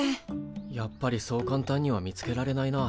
やっぱりそう簡単には見つけられないな。